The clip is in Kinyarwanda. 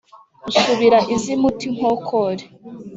usubira iz'i muti-nkokore,